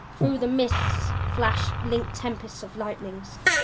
Through the mists flashed linked tempests of lightnings.